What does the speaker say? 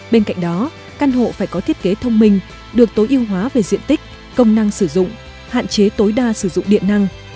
bên cạnh đó căn hộ phải có thiết kế thông minh được tối ưu hóa về diện tích công năng sử dụng hạn chế tối đa sử dụng điện năng